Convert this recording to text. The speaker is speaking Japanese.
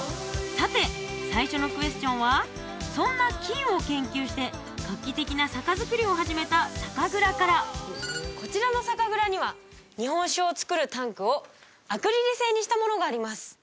さて最初のクエスチョンはそんな菌を研究して画期的な酒づくりを始めた酒蔵からこちらの酒蔵には日本酒をつくるタンクをアクリル製にしたものがあります